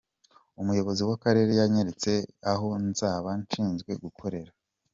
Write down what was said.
Umuyobozi w’akarere yanyeretse aho nzaba nshinzwe gukorera.